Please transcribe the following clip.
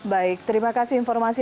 baik terima kasih informasi